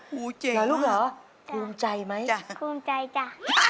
โอ้โฮเจ๋งนะลูกเหรอคุ้มใจไหมจ๊ะคุ้มใจจ๊ะ